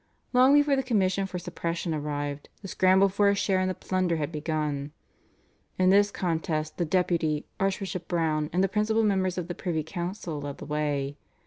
Long before the commission for suppression arrived the scramble for a share in the plunder had begun. In this contest the Deputy, Archbishop Browne, and the principal members of the privy council led the way.